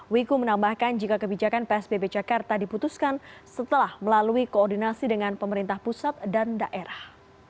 wiku menambahkan jika kebijakan psbb jakarta diputuskan setelah melalui koordinasi dengan pemerintah pusat dan daerah